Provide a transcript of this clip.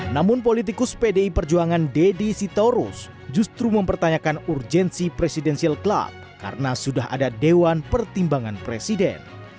namun politikus pdi perjuangan deddy sitorus justru mempertanyakan urgensi presidensial club karena sudah ada dewan pertimbangan presiden